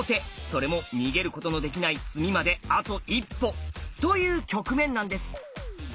それも逃げることのできない「詰み」まであと一歩という局面なんです。